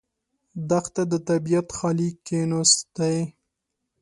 دښته د طبیعت خالي کینوس دی.